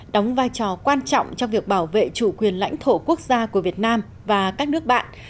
đóng vai trò quan trọng trong việc bảo vệ chủ quyền lãnh thổ quốc gia của việt nam và các nước bạn